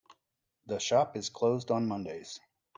The shop is closed on Mondays.